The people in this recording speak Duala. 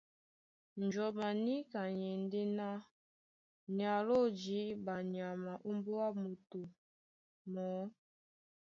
Njɔm a níka ni e ndé ná ni aló jǐɓa nyama ómbóá moto mɔɔ́.